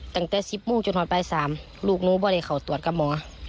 ตั้งแต่๑๐โมงจนหอดบาย๓ลูกนูไม่ได้เข้าตรวจกับหมอ